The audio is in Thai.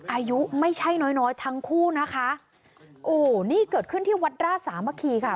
อายุไม่ใช่น้อยน้อยทั้งคู่นะคะโอ้นี่เกิดขึ้นที่วัดราชสามัคคีค่ะ